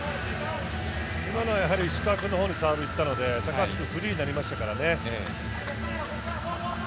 今のは石川君のほうにサーブを打ったので、高橋君、フリーになりましたからね。